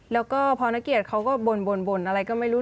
แล้วก็พอนักเกียรติเขาก็บ่นอะไรก็ไม่รู้